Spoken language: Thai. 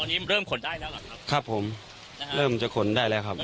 ตอนนี้เริ่มขนได้แล้วล่ะครับครับผมเริ่มจะขนได้แล้วครับ